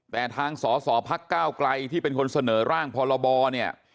แต่ทางสศพศ๙ไกลที่เป็นคนเสนอร่างพลเนี่ย